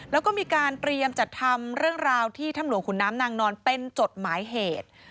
แล้วก็มีการเตรียมจัดทำเรื่องราวที่ถ้ำหลวงขุนน้ำนางนอนเป็นจดหมายเหตุ